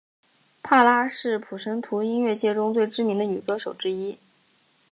帕拉是普什图音乐界中最知名的女歌手之一。